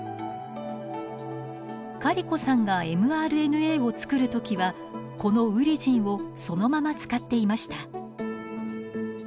カリコさんがｍＲＮＡを作る時はこのウリジンをそのまま使っていました。